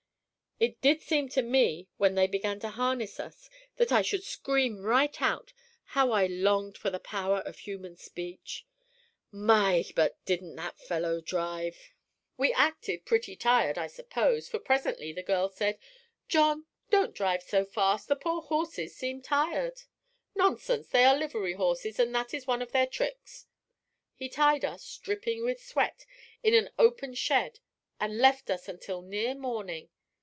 "It did seem to me when they began to harness us that I should scream right out; how I longed for the power of human speech! "My, but didn't that fellow drive! "We acted pretty tired, I suppose, for presently the girl said: 'John, don't drive so fast, the poor horses seem tired.' "'Nonsense, they are livery horses, and that is one of their tricks.' "He tied us, dripping with sweat, in an open shed and left us until near morning.